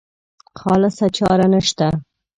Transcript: خالصه چاره نشته.